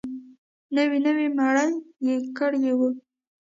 نوې نوي مړي يې کړي وو.